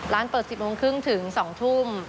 ร้านเปิด๑๐โมงครึ่งถึง๒ทุ่ม